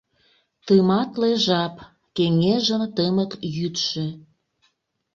Тыматле жап — кеҥежын тымык йӱдшӧ!